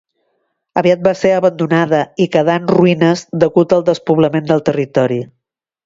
Aviat va ser abandonada i quedà en ruïnes degut al despoblament del territori.